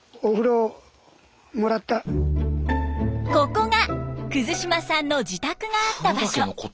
ここが島さんの自宅があった場所。